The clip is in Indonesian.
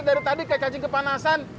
dari tadi kayak cacing kepanasan